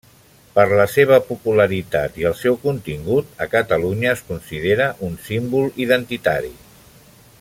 Per la seva popularitat i el seu contingut, a Catalunya es considera un símbol identitari.